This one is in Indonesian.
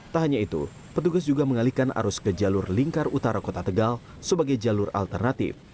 tak hanya itu petugas juga mengalihkan arus ke jalur lingkar utara kota tegal sebagai jalur alternatif